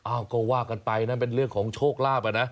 อ้าวก็ว่ากันไปนะเป็นเรื่องของโชคลาภอ่ะนะ